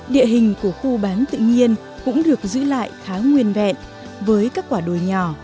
địa hình của khu bán tự nhiên cũng được giữ lại khá nguyên vẹn với các quả đồi nhỏ